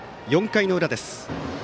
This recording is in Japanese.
４回の裏です。